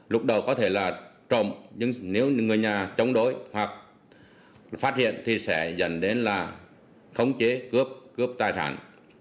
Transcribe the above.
lúc đầu có thể là trộm nhưng nếu người nhà chống đối hoặc phát hiện thì sẽ dẫn đến là khống chế cướp cướp tài sản